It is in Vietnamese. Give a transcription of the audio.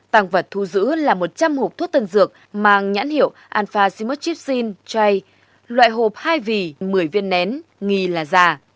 tăng vật thu giữ là một trăm linh hộp thuốc tân dược mang nhãn hiệu alphacimotrypsin j loại hộp hai vị một mươi viên nén nghi là giả